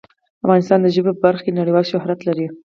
افغانستان د ژبو په برخه کې نړیوال شهرت لري.